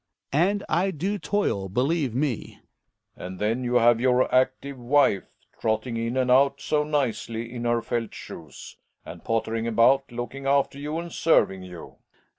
And I do toil, believe me. Relling. And then you have your active wife, trot ting in and out so nicely, in her felt shoes, and pottering about, looking after you and serving you.